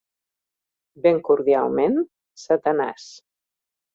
Ben cordialment, satanàs.